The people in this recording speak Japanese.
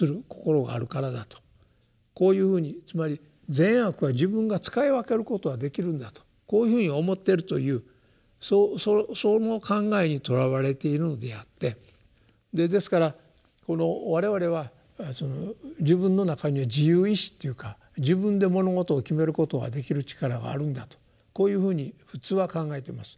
こういうふうにつまり善悪は自分が使い分けることができるんだとこういうふうに思ってるというその考えにとらわれているのであってですからこの我々は自分の中に自由意思っていうか自分で物事を決めることができる力があるんだとこういうふうに普通は考えてます。